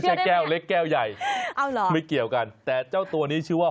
เชื่อได้ไหมเอาเหรอไม่เกี่ยวกันแต่เจ้าตัวนี้ชื่อว่า